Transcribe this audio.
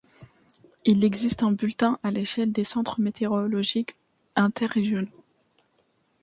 Il existe un bulletin à l'échelle des Centres Météorologiques Inter Régionaux.